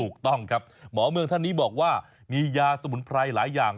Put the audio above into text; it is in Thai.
ถูกต้องครับหมอเมืองท่านนี้บอกว่ามียาสมุนไพรหลายอย่าง